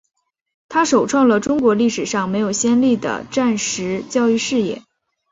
它首创了中国历史上没有先例的战时教育事业。